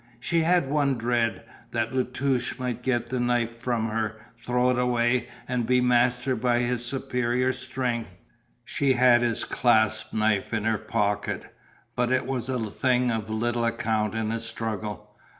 She had one dread; that La Touche might get the knife from her, throw it away, and be master by his superior strength. She had his clasp knife in her pocket, but it was a thing of little account in a struggle.